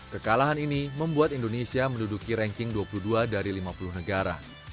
kekalahan ini membuat indonesia menduduki ranking dua puluh dua dari lima puluh negara